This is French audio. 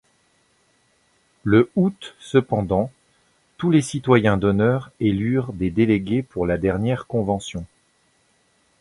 Le août cependant, tous les citoyens d'honneur élurent des délégués pour la dernière Convention.